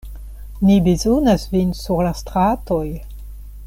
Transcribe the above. Ni bezonas vin sur la stratoj.